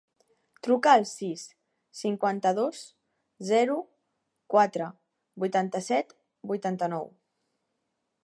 Truca al sis, cinquanta-dos, zero, quatre, vuitanta-set, vuitanta-nou.